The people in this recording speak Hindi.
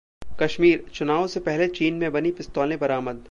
कश्मीर: चुनाव से पहले चीन में बनी पिस्तौलें बरामद